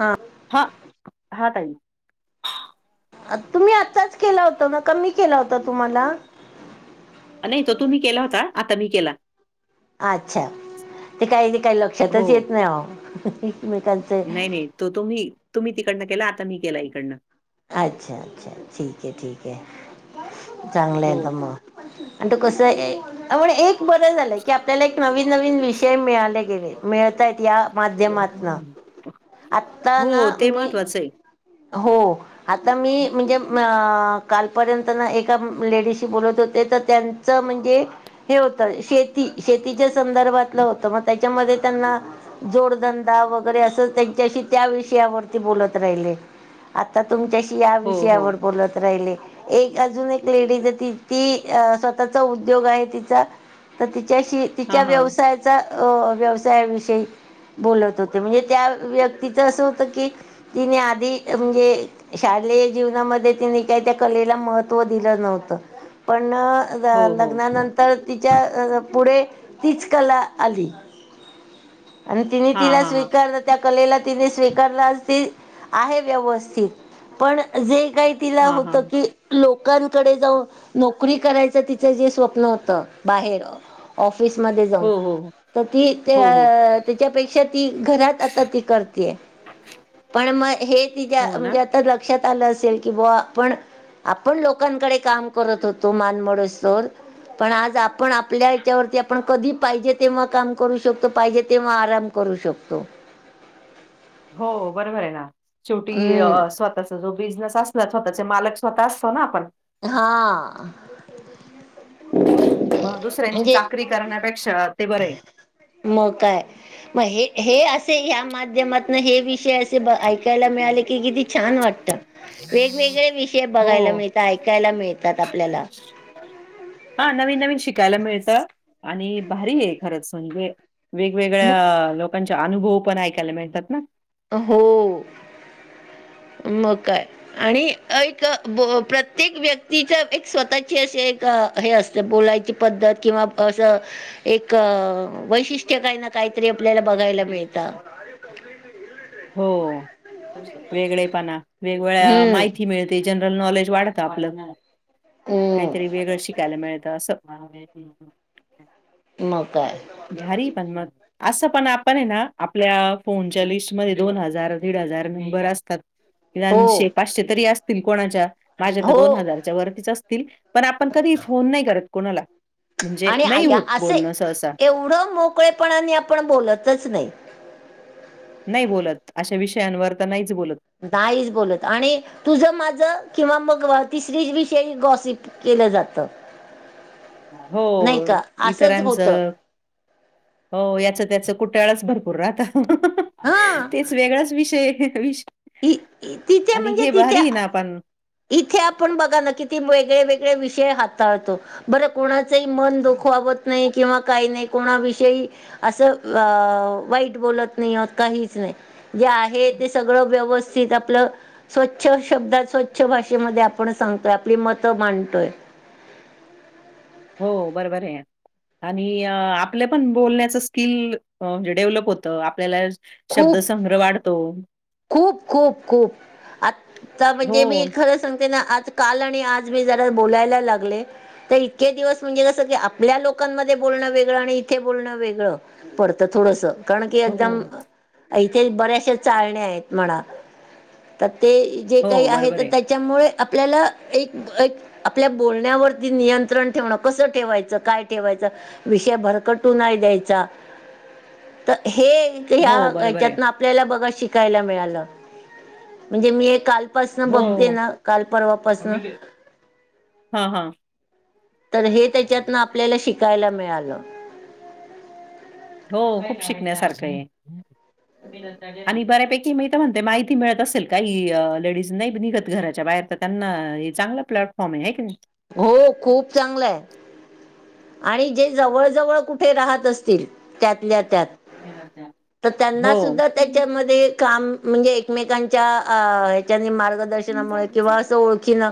हा हा, हा ताई. तुम्ही आत्ताच केला होता ना. का मी केला होता तुम्हाला? नाही तो तुम्ही केला होता. आता मी केला. अच्छा, ते काही ते काही हो. लक्षातच येत नाही अहो. एकमेकांच नाही नाही तो तुम्ही, तुम्ही तिकडन केला. आता मी केला इकडन. अच्छा अच्छा, ठीक आहे. ठीक आहे. चांगल हो. येत मग. आणि तो कसय म्हण एक बर झालय की आपल्याला एक नवीन नवीन विषय मिळाले गेले. मिळतायत. या माध्यमातन. आता हो, ना ते मी महत्वाचं आहे. हो आता मी म्हणजे अ कालपर्यंत ना एका लेडीजशी बोलत होते तर त्यां च म्हणजे हे होत. शेती शेतीच्या संदर्भातल होत. मग त्याच्यामध्ये त्यांना जोडधंदा वगैरे अस, त्यांच्याशी त्या विषयावरती बोलत राहिले. आता तुमच्याशी या हो, हो. विषयावर बोलत राहिले. एक अजून एक लेडीज आहे. त ती अ स्वतःचा उद्योग आहे तिचा. तर तिच्याशी, तिच्या हां, हां. व्यवसायाचा अ व्यवसायाविषयी बोलत होते. म्हणजे त्या व्यक्तीच अस होत की तिने आधी ते म्हणजे शालेय जीवनामध्ये त्यांनी काय त्या कलेला महत्त्व दिलं नव्हतं पण हो, जवा हो. लग्नानंतर तर तिच्या अ पुढे तीच कला आली आणि तिने हां, तिला हां, हां. स्वीकारलं त्या कलेला तिने स्वीकारलं आज ती आहे व्यवस्थित पण जे काही तिला हां, हां. होतं की लोकांकडे जाऊन नोकरी करायचं तिचं जे स्वप्न होतं बाहेर ऑफिसमध्ये हो, जाऊन हो. तर ती हो, हो. त्या... त्याच्यापेक्षा ती घरात आता ती करतीये पण म हे तिच्या हो ना? म्हणजे आता लक्षात आलं असेल की बुवा आपण आपण लोकांकडे काम करत होतो मानमोडेस्तोवर पण आज आपण आपल्या हेच्यावरती आपण कधी पाहिजे तेव्हा काम करू शकतो पाहिजे तेव्हा आराम करू शकतो हो बरोबर आहे ना शेवटी अ हम्म स्वतः चा जो बिझनेस असला ना स्वतःचे मालक स्वतः असतो ना आपण हा दुसऱ्यांची म्हणजे चाकरी करण्यापेक्षा ते बरेय मग काय हे हे असे या माध्यमातून हे विषय अस ते द ऐकायला मिळाले की किती छान वाटतं वेगवेगळे विषय बघायला हो. मिळ तं ऐकायला मिळतात आपल्याला हा नवीन नवीन शिकायला मिळतं आणि भारी आहे खरंच म्हणजे वेगवेगळ्या लोकांचे अनुभव पण ऐकायला मिळतात ना हो [unintelligible] मग काय आणि एक बो प्रत्येक व्यक्तीच्या एक स्वतःची असे एक हे असते. ते बोलायची पद्धत किंवा असं एक वैशिष्ट्य काही ना काहीतरी आपल्याला बघायला मिळतं हो होयच तर वेगळेपणा वेगळ्या हम्म माहिती मिळते जनरल नॉलेज वाढत आपले काहीतरी हम्म वेगळं शि शिकायला मिळतं असं मग काय भारी पण मग असं पण आपण आहे ना आपल्या फोनच्या लिष्ट मधे दोन हजार दीड हजार मेंबर असतात निदान हो शे पाचशे तरी असतील कोणाच्या माझ्या कडं हो दोन हजारच्या वरतीच असतील पण आपण कधी फोन नाही करत कोणाला म्हणजे आणि आ नाही ह्या होत असे बोलणं सहसा. एवढं मोकळेपणाने आपण बोलतच नाही नाही बोलत अशा विषयांवर तर नाहीच बोलत नाहीच बोलत आणि तुझं माझं किंवा मग व तिसरी विषयी गॉसिप केलं जातं हो नाही का असंच होतं इतरांचं हो याचं त्याच कुट्याळाच भरपूर राहतं हंह हं हं हा तेच वेगळाच विषय आहे एक विषय इ तिथे आणि म्हणजे हे बारी तिथे आहे ना पण इथे आपण बघा ना किती वेगळे वेगळे विषय हाताळतो बरं कोणाचंही मन दुखवावत नाही किंवा काही नाही कोणा विषयी असं आ वाईट बोलत नाही आत काहीच नाही जे आहे ते सगळं व्यवस्थित आपलं स्वच्छ शब्दात स्वच्छ उच्छ भाषेमध्ये आपण सांगतोय आपली मतं मांडतोयं. हॊ बरोबरायं. आणि आपलं पण बोलण्याच स्किल म्हणजे डेव्हलप होतं आपल्याला शब्द खूप संग्रह वाढतो. खूप खूप खूप आता हो, म्हणजे मी खरं सांगते ना आज काल आणि आज मी जरा बोलायला लागले. तर इतके दिवस म्हणजे कसं की आपल्या लोकांमध्ये बोलणं वेगळं आणि इथे बोलणं वेगळं. पडतं थोडसं. कारण की एकदम हो, इथे बऱ्याशा चाळण्या आहेत म्हणा तर ते जे हो. काही आहे बरोबर तर त्याच्यामुळे आपल्याला एक एक आपल्या बोलण्यावरती नियंत्रण कसं ठेवायचं काय ठेवायचं विषयं भरकटू नाही द्यायचा तर हे हो, या बरोबर आहे. याच्यात आपल्याला बघा आपल्याला शिकायला मिळाले म्हणजे मी एक काल पसनं हं. बघते हो. हं. ना काल परवा पासनं हा हा. तर हे त्यांच्यातून आपल्याला शिकायला मिळालं. हॊ हॊ खूप शिकण्या सारखं आहे हे. आणि बऱ्यापैकी माहिती म्हणते माहिती मिळतं असेल काही लेडीज नाही निघतं घराच्या बाहेर. त्यांना हे चांगलं प्लॅटफॉर्म आहे की नाही. हो खूप चांगले आहे. आणि जे जवळ -जवळ कुठे राहत असतील त्यातल्या त्यातं [inaudible] तर त्यांना हो. सुद्धां त्यातं त्यामध्ये कामं म्हणजेअ एकमेकांच्या आं जणांनी मार्ग दर्शनामुळे किंवा असं ओळखीनं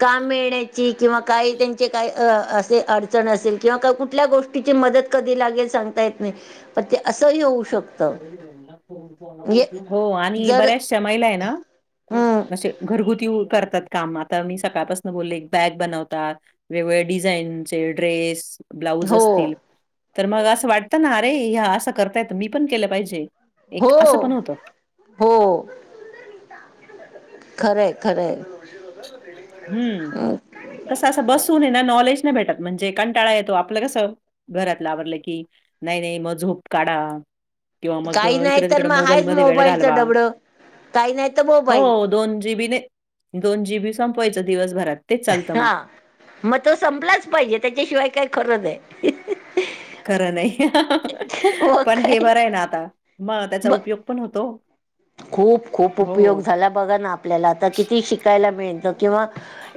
काम मिळण्याची किंवा काही त्यांचे कायं? असे अड तर असेल किंवा कुठल्या गोष्टीची मदतं कधी लागेल सांगता येतं नाही. पण ते असंही होऊ शकतं म्हणजे [unintelligible] हो आणि जर बऱ्याचश्या महिला आहे ना हम्म असे घरगुती येऊन करतात. कामं आतां मी सकाळपासून बोलले ऐक बॅग बनवतात. वेगवेगळ्याअ डिझाईनचे ड्रेसं ब्लाऊजं असतील हो तरं मग असं वाटतं नां अरे अह्या असं करता येत तर मी पणं केलं पाहिजे. एक हॊ. असं पण होतं हो [unintelligible] खर् हायं खर् हायं. हम्म कसं असं बसून ये नां नॉलेज नाही भेटतं म्हणजे कंटाळा येतो आपलं कसं घरातलं आवरलं कीं नाही-नाही मगं झोप काढा. किंवा अ काही मगं नाही तर इकडेतिकडे मग मोबाईल हायच मध्ये वेळ मोबाईलच घालवा. डबडं काही नाही तर मोबाईल होवअ दोन जी. बी नाही, दोन जी. बी संपवायचं दिवसभरातं. अंहां मगं तो संपलाचं पाहिजे त्याच्याशिवाय काई खरंनाही. [inaudible] खरं नाही [unintelligible] मग पणं हे काय बरं आहे नां आता. मगं पण त्याचा उपयोग पण होतो. खूपं- खूपं उपयोग हो. झाला. बघा नां आपल्याला आतां किती शिकायला मिळेलं किंवाअ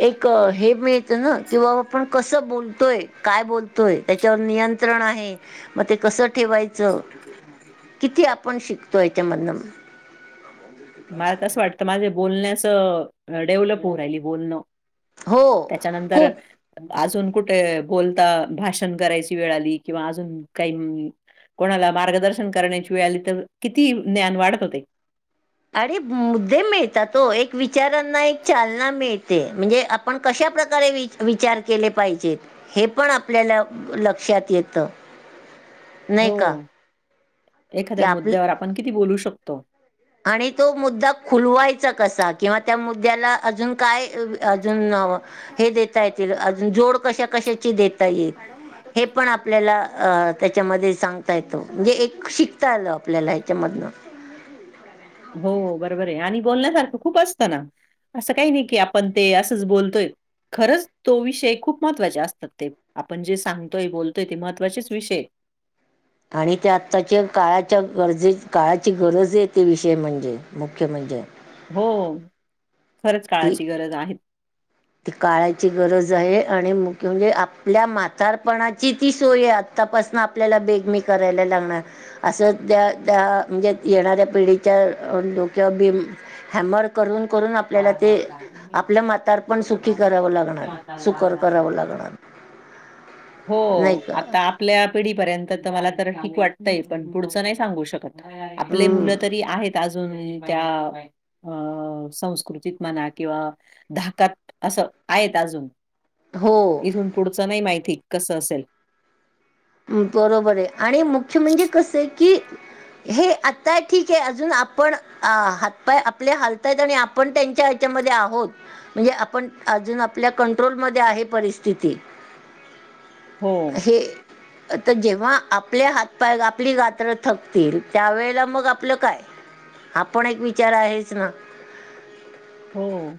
एकं हे मिळत नां कि बाबा आपण कसं बोलतोयं काय बोलतोयं. त्याच्यावर नियंत्रण आहे मग ते कसं ठेवायचं. किती आपण शिकतो याच्यामधनं. मला तसं वाटतं माझे बोलण्याचअ डेव्हलप होऊन राहिली बोलणं. हो त्याच्यानंतर खूप अं अजुन कुठे बोलता भाषण करायची वेळ आली किंवा अजुन काही म्हणु कोणाला मार्गदर्शन करण्याची वेळ आली तर किती ज्ञान वाढत ते अरे मुद्दे मिळतात ओ एक विचारांना एक चालना मिळते म्हणजे आप आपण कशा प्रकारे विचार केले पाहिजेत हे पण आपल्याला लक्षात येत होव की एखाद्या आपलं मुद्द्यांवर आपण किती बोलु शकतो आणि तो मुद्दा खुलवायचा कसा किंवा त्या मुद्द्याला अजुन काय अजुन अं हे देता येतील अजुन जोड कशा -कशाची देता येईल हे पण आपल्याला अं त्याच्यामध्ये सांगता येत म्हणजे ऐकं शिकता आल आपल्याला हेच्यामधन हो बरोबर आहे आणि बोलण्यासारख खुप असत ना अस काही नाही की आपण ते असच बोलतोय खरंच तो विषय खुप महत्त्वाचे असतात ते आपण जे सांगतोय बोलतोय ते महत्त्वाचेच विषय आहेत आणि ते आत्ताच्या काळाच्या गरजे काळाची गरज आहे ते विषय म्हणजे मुख्य म्हणजे हो खरच ती काळाची गरज आहे ती काळाची गरज आहे आणि मुख्य म्हणजे आपल्या म्हातारपणाची ती सोय आहे तपासन आपल्याला बेगमी करायला लागणार असच त्या त्या म्हणजे येणाऱ्या पिढीच्या डोक्यावर बी हॅमर करून करून आपल्याला ते आपल्या म्हातरप [inaudible] करावं लागणार नाही होव का आता आपल्या पिढीपर्यत तर मला तर ठीक वाटतय पण पुढच नाही सांगु शकत आपले मुल तरी आहेत अजुन त्या अ अं संस्कृतीत म्हणा किंवा धाकात अस आहेत अजुन हो इथुन पुढच नाही माहिती कस असेल बरोबर हे आणि मुख्य म्हणजे कस आहे की हे आत्ता ठीक ये अजुन आपण अं हातपाय आपले हालताय आणि आपण त्यांच्या याच्या मध्ये आहोत म्हणजे आपण अजुन आपल्या कंट्रोलमध्ये आहे परिस्थिती हो ते आता जेव्हा आपले हातपाय आपली रात्र थकतील त्यावेेळेला मग आपल काय हा पण एक विचार आहेच ना हो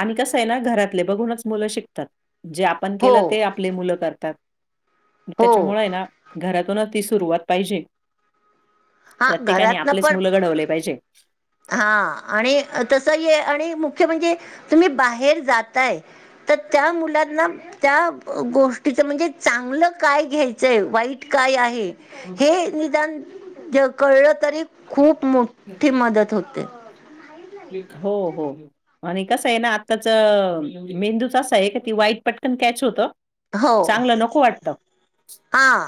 आणि कस आहे ना घरातले बघुनच मुल शिकतात जे आप पण हो, केल ते आपले मुल करतात हो. त्याच्यामुळे हे ना घरातुनच ती सुरुवात पाहिजे हां प्रत्येकाने घरातनं आपलेच पण मुल घडवले पाहिजे हां आणि तसही आणि मुख्य म्हणजे तुम्ही बाहेर जाताय तर त्या मुलांना त्या गोष्टीच म्हणजे चांगल काय घ्यायच आहे वाईट काय आहे हे निदान कळल तरी खुप मोट्ठी मदत होते [unintelligible] हो हो हो आणि कस आहे ना आत्ताच मेंदूच असा आहे का ती वाईट पटकन कॅच होत हो चांगल नको वाटत हां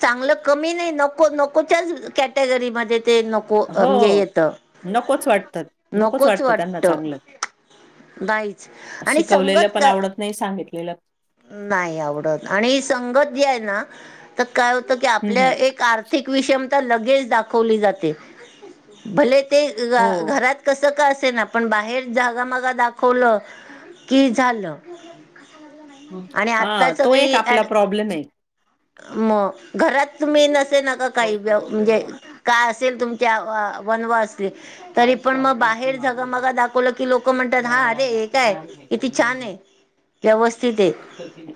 चांगल कमी नाही नको नकोच्याच कॅटेगरीमध्ये ते नको को म्हणजे हो, येत नकोच वाटतं. नकोच वाटतं त्यांना वाटत चांगलं. बाईच आणि शिकवलेलं संगत पण आवडत नाही सांगितलेलं नाही आवडत आणि संगत जी आहे ना, तर काय होतं की हं, आपल्या हं. एक आर्थिक विषमता लगेच दाखवली जाते, भले ते हो. घरात कसं का असेना पण बाहेर जागामागा दाखवलं की झालं. हुं आणि हा आता तो एक आपला प्रॉब्लेम ये. मं घरात तुम्ही नसे नाका काही म्हणजे काय असेल तुमच्या वनवासी तरी पण म बाहेर झगमगा दाखव दाखवल की लोक म्हणतात हा अरे हे काय, किती छानये, व्यवस्थितये. कधी?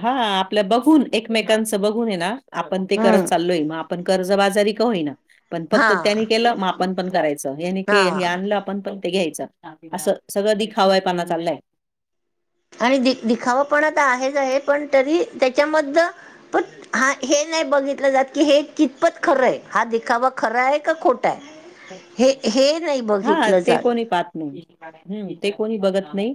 हा आपल्या बघून एकमेकांचं बघून येना आपण ते करत हम्म चाललोय मं आपण कर्जबाजारी का होईना, पण हा फक्त त्यानी केलं आपण पण करायचं याने हे हा आणलं आपण पण ते घ्यायचं असं सगळं दिखावाय पणा चाललाय. आणि दि दिखाववा पणा तं आहेच आहे पण तरी त्याच्यामधनं [inaudible] हा हे नाही बघितलं जात की, हे कितपत खरंये हा दिखावा खरा आहे का खोटाये. हे हे नही बघितलं जात. हम्म, ते कोणी बघत नाही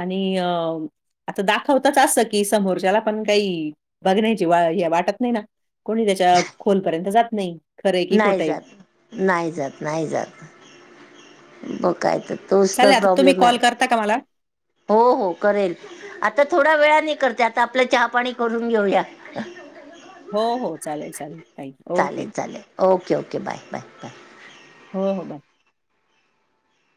आणि अं आता दाखवताच असं कि समोरच्याला पण काही बघण्याची हे वाटत नाही ना. कोणी त्याच्या खोलपर्यंत जात नाही. खरं आहे की नाही खोटं आहे. जात, नाही जात, नाही जात मग काय तर तोसं तर प्रॉब्लेम ये ता का माला? हो हो करेल. आता थोड्या वेळा नि करते आता आपलं चहा पाणी करून घेऊया. हो, हो. चालेल, चालेल ताई. [inaudible] ओके. चालेल, चालेल, okay, okay, bye, bye, bye. हो हो बाय.